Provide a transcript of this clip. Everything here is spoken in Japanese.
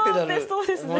そうですね。